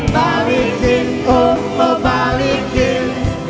balikin oh oh balikin